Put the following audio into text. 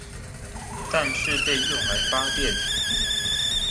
但是被用來發電